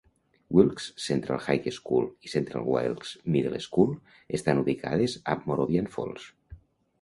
Wilkes Central High School i Central Wilkes Middle School estan ubicades a Moravian Falls.